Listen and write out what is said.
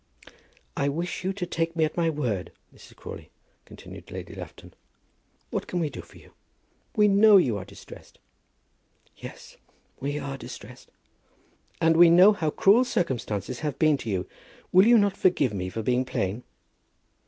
"I wish you to take me at my word, Mrs. Crawley," continued Lady Lufton. "What can we do for you? We know that you are distressed." "Yes, we are distressed." "And we know how cruel circumstances have been to you. Will you not forgive me for being plain?"